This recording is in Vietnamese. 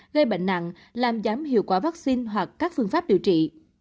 gây bệnh nặng làm giảm hiệu quả vaccine hoặc các phương pháp điều trị